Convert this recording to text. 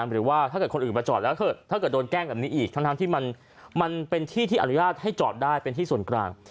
หรือว่าถ้าเกิดคนอื่นมาจอดแล้วถ้าเกิดโดนแกล้งแบบนี้อีกทั้งที่มันเป็นที่ที่อนุญาตให้จอดได้เป็นที่ส่วนกลาง